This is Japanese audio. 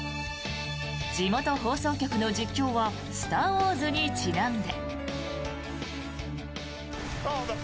地元放送局の実況は「スター・ウォーズ」にちなんで。